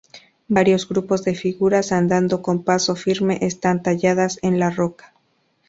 Varios grupos de figuras andando con paso firme están talladas en la roca.